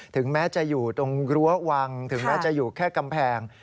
ถึงแม้จะอยู่ตรงรั้ววังถึงแม้จะอยู่แค่กำแพง